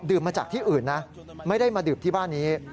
มาจากที่อื่นนะไม่ได้มาดื่มที่บ้านนี้